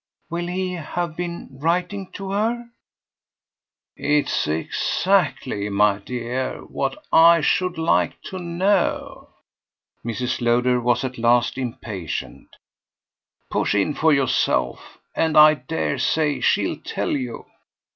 "Will he have been writing to her?" "It's exactly, my dear, what I should like to know!" Mrs. Lowder was at last impatient. "Push in for yourself and I dare say she'll tell you."